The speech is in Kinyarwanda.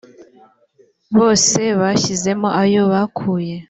bose bashyizemo ayo bakuye